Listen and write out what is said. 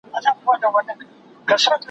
په يوه ګل نه پسرلی کېږي